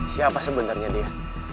siapa sebenernya dia